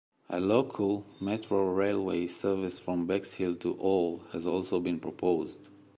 A local metro railway service from Bexhill to Ore has also been proposed.